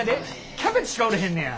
キャベツしか売れへんねや。